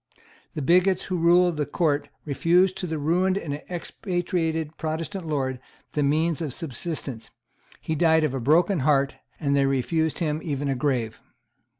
The bigots who ruled the Court refused to the ruined and expatriated Protestant Lord the means of subsistence; he died of a broken heart; and they refused him even a grave.